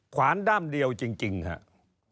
สวัสดีครับท่านผู้ชมครับ